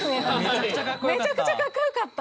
めちゃくちゃカッコよかった。